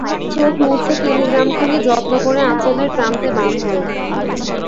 চোখ মুছে টেলিগ্রামখানি যত্ন করে আঁচলের প্রান্তে বাঁধলে।